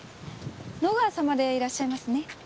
野川様でいらっしゃいますね？